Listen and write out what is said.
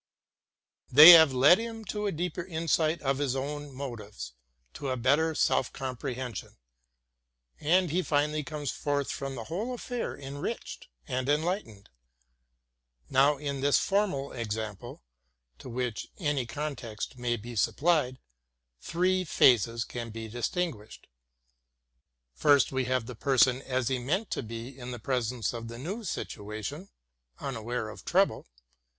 They have led him to a deeper insight into his own motives, to a better self com prehension. And he finally comes forth from the whole af fair enriched and enlightened. Now in this formal example, to which any content may be supplied, three phases can be distinguished. First, we have the person as he meant to be in the presence of the new situation, unaware of trouble.